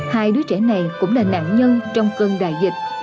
hai đứa trẻ này cũng là nạn nhân trong cơn đại dịch